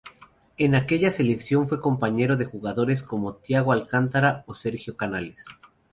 En aquella selección fue compañero de jugadores como Thiago Alcántara o Sergio Canales.